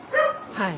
はい。